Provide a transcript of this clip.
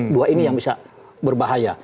dua ini yang bisa berbahaya